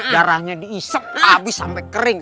darahnya diisek abis sampe kering